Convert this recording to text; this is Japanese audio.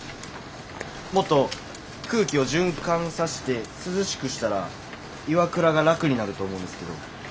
もっと空気を循環さして涼しくしたら岩倉が楽になると思うんですけど。